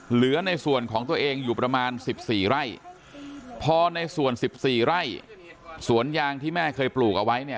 เหลือในส่วนของตัวเองอยู่ประมาณ๑๔ไร่พอในส่วน๑๔ไร่สวนยางที่แม่เคยปลูกเอาไว้เนี่ย